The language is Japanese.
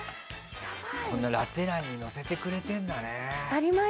こんなラテ欄に載せてくれてるんだね。